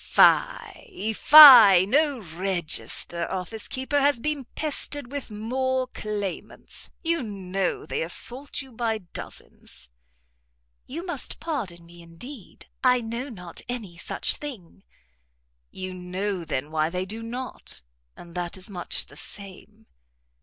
"Fie, fie! no register office keeper has been pestered with more claimants. You know they assault you by dozens." "You must pardon me, indeed, I know not any such thing." "You know, then, why they do not, and that is much the same."